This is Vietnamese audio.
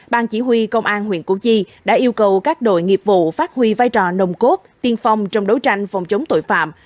ban chỉ huy công an huyện củ chi đã yêu cầu các đội nghiệp vụ phát huy vai trò nồng cốt tiên phong trong đấu tranh phòng chống tội phạm